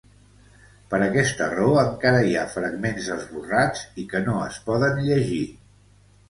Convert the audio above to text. Per aquesta raó encara hi ha fragments esborrats i que no es poden llegir.